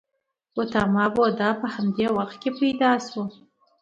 ګوتاما بودا په همدې وخت کې پیدا شو.